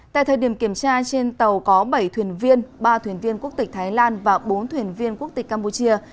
tại thời điểm kiểm tra trên tàu có bảy thuyền viên ba thuyền viên quốc tịch thái lan và bốn thuyền viên quốc tịch campuchia